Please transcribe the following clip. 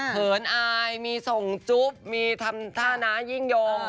เหินอายส่งจุ๊บท่านายิ้งโยง